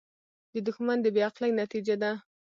• دښمني د بې عقلۍ نتیجه ده.